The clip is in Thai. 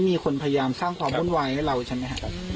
มีคนพยายามสร้างความวุ่นวายให้เราใช่ไหมครับ